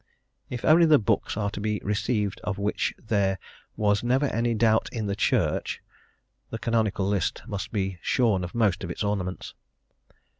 If only the books are to be received of which there "was never any doubt in the Church," the canonical list must be shorn of most of its ornaments.